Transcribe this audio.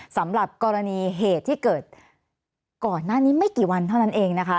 สำหรับกรณีเหตุที่เกิดก่อนหน้านี้ไม่กี่วันเท่านั้นเองนะคะ